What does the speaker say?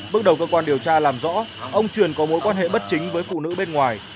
bước đầu cơ quan điều tra làm rõ ông truyền có mối quan hệ bất chính với phụ nữ bên ngoài